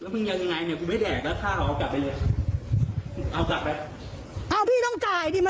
มันไปโวยวายอะไรอ่ะ